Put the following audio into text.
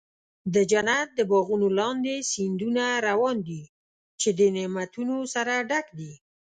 د جنت د باغونو لاندې سیندونه روان دي، چې د نعمتونو سره ډک دي.